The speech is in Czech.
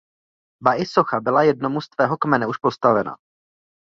Ba i socha byla jednomu z tvého kmene už postavena.